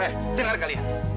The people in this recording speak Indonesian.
hei dengar kalian